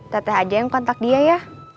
teteh aja yang kontak dia ya